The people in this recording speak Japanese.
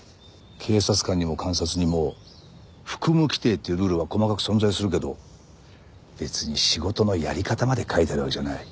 警察官にも監察にも服務規程っていうルールは細かく存在するけど別に仕事のやり方まで書いてあるわけじゃない。